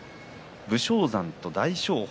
武将山と大翔鵬